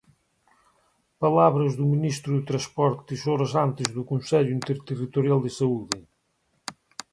Palabras do ministro de Transportes horas antes do Consello Interterritorial de Saúde.